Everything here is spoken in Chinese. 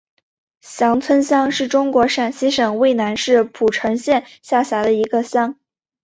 翔村乡是中国陕西省渭南市蒲城县下辖的一个乡。